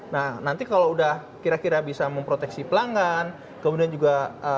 nah nanti kalau udah kira kira bisa memproteksi pelanggan kemudian juga